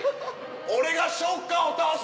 俺がショッカーを倒す？